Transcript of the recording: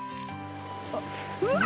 あっうわ！